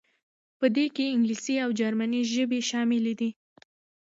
په دې کې انګلیسي او جرمني ژبې شاملې دي.